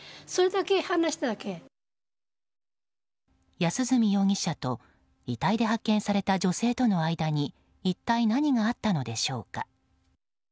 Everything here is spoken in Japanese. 安栖容疑者と遺体で発見された女性との間に一体何があったのでしょうか。